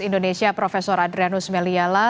indonesia prof adrianus meliala